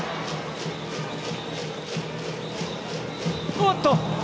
おっと！